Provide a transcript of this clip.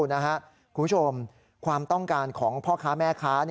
คุณผู้ชมความต้องการของพ่อค้าแม่ค้า